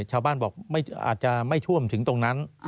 ชาวบ้านบอกอาจจะไม่ท่วมถึงตรงนั้น